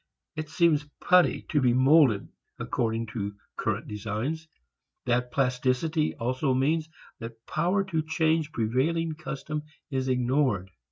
It seems putty to be molded according to current designs. That plasticity also means power to change prevailing custom is ignored.